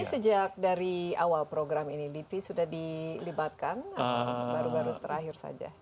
tapi sejak dari awal program ini lipi sudah dilibatkan atau baru baru terakhir saja